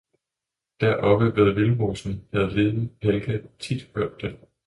deroppe ved Vildmosen havde liden Helga tidt hørt den.